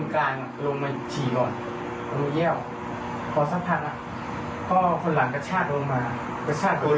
คนที่เยี่ยวก็รีบเอารถขึ้น